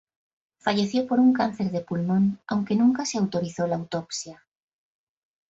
Falleció por un cáncer de pulmón aunque nunca se autorizó la autopsia.